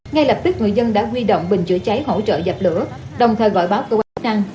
ngay lập tức người dân đã huy động bình chữa cháy hỗ trợ dập lửa đồng thời gọi báo cơ quan chức năng